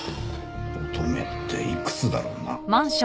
「乙女」っていくつだろうな？